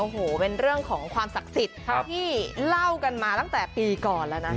โอ้โหเป็นเรื่องของความศักดิ์สิทธิ์ที่เล่ากันมาตั้งแต่ปีก่อนแล้วนะ